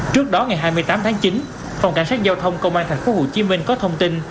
trước đó ngày hai mươi tám tháng chín phòng cảnh sát giao thông công an tp hcm có thông tin